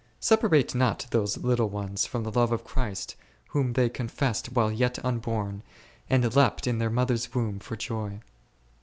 Separate not those little ones from the love of Christ, whom they confessed while yet unborn, and leapt in their mother's womb for joy.